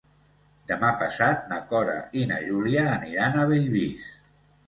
Demà passat na Cora i na Júlia aniran a Bellvís.